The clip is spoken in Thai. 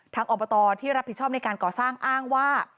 อบตที่รับผิดชอบในการก่อสร้างอ้างว่า